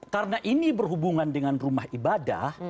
karena ini berhubungan dengan rumah ibadah